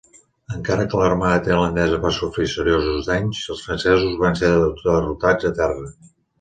Encara que l'armada tailandesa va sofrir seriosos danys, els francesos van ser derrotats a terra.